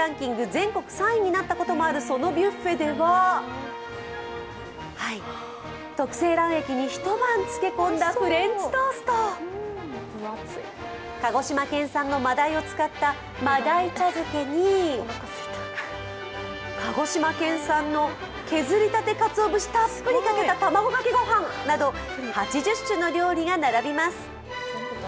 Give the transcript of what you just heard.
全国３位になったこともあるそのビュッフェでは特製卵液に一晩漬け込んだフレンチトースト、鹿児島県産の真鯛を使った真鯛茶漬けに鹿児島県産の削り立てかつお節たっぷりかけたたまごかけご飯など８０種の料理が並びます。